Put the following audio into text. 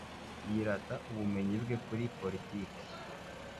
Yirata ubumenyi bwe kuri politiki.